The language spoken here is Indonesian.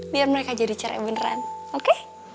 biar mereka jadi cerai beneran oke